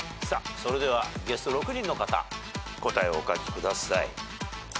それではゲスト６人の方答えをお書きください。